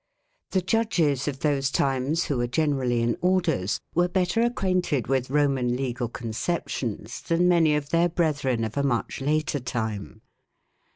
The judges of those times, who were generally in orders, were better acquainted with Roman legal conceptions than many of their brethren of a much later time.